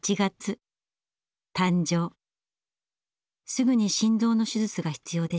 すぐに心臓の手術が必要でした。